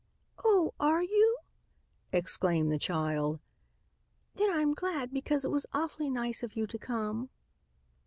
"Oh, are you?" exclaimed the child. "Then I'm glad, because it was awfully nice of you to come."